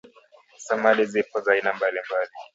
samadi zipo za aina mbalimbali